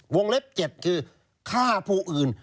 เล็บ๗คือฆ่าผู้อื่น